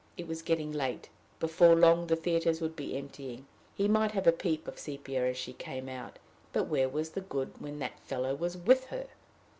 It was getting late; before long the theatres would be emptying: he might have a peep of Sepia as she came out! but where was the good when that fellow was with her!